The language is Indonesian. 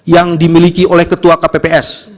yang dimiliki oleh ketua kpps